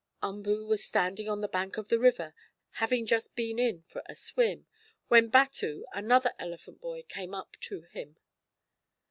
Umboo was standing on the bank of the river, having just been in for a swim, when Batu, another elephant boy, came up to him.